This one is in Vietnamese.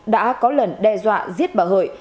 đã có lần đe dọa giết bà hợi